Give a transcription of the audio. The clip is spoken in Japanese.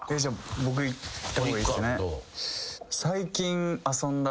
僕いった方がいいっすね。